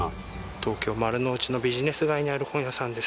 東京・丸の内のビジネス街にある本屋さんです。